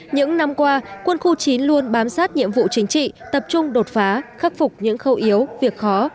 những năm qua quân khu chín luôn bám sát nhiệm vụ chính trị tập trung đột phá khắc phục những khâu yếu việc khó